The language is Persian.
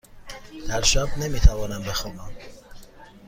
در شب نمی توانم بخوابم.